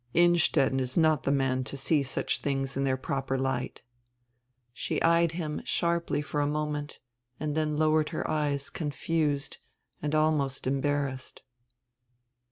"Innstetten is not the man to see such tilings in their proper light." She eyed him sharply for a moment, then lowered her eyes confused and almost emharrassed.